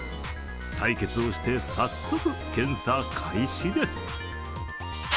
採血をして早速、検査開始です。